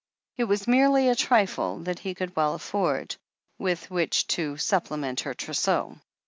It was merely a trifle, that he could well afford, with which to supple ment her trousseau.